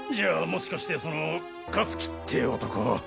もしかしてその香月って男。